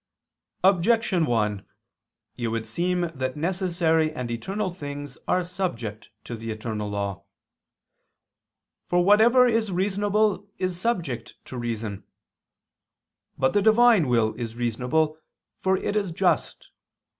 Objection 1: It would seem that necessary and eternal things are subject to the eternal law. For whatever is reasonable is subject to reason. But the Divine will is reasonable, for it is just.